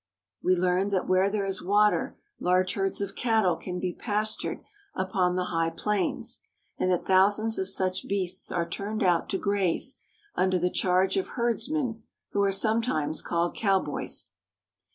We learn that where there is water large herds of cattle can be pas tured upon the high plains, and that thousands of such beasts are turned out to graze, under the charge of herds men, who are sometimes called cowboys.